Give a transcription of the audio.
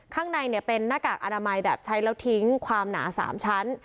ข้างในเป็นหน้ากากอนามัยแบบใช้แล้วทิ้งความหนา๓ชั้น